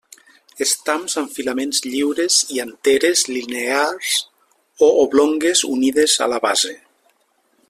Estams amb filaments lliures i anteres linears o oblongues unides a la base.